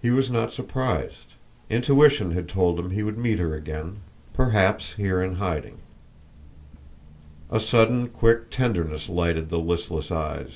He was not surprised; intuition had told him he would meet her again, perhaps here in hiding. A sudden quick tenderness lighted the listless eyes.